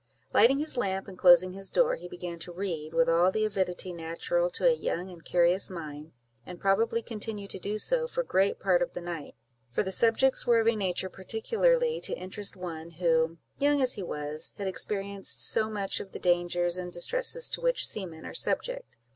Lighting his lamp, and closing his door, he began to read, with all the avidity natural to a young and curious mind; and probably continued to do so for great part of the night; for the subjects were of a nature particularly to interest one, who, young as he was, had experienced so much of the dangers and distresses to which seamen are subject.